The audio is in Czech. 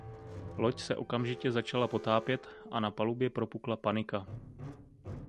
Loď se okamžitě začala potápět a na palubě propukla panika.